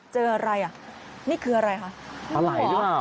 เจออะไรอ่ะนี่คืออะไรคะ